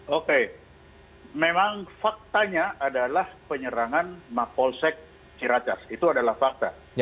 oke memang faktanya adalah penyerangan mapolsek ciracas itu adalah fakta